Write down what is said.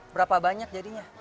berapa banyak jadinya